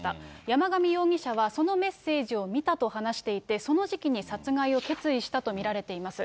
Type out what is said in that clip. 山上容疑者はそのメッセージを見たと話していて、その時期に殺害を決意したと見られています。